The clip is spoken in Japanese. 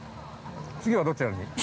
◆次はどちらに？